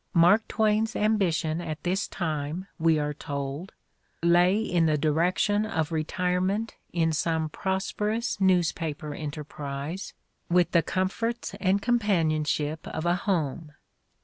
Mark Twain's ambition at this time, we are told, "lay in the direction of retirement in some prosperous newspaper enterprise, with the comforts and companionship of a home."